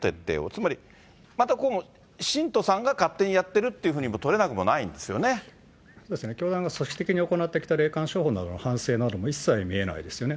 つまり、またこの信徒さんが勝手にやってるっていうとれなくもないですよですね、教団が組織的に行ってきた霊感商法などの反省なども一切見えないですよね。